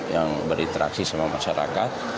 yang berinteraksi sama masyarakat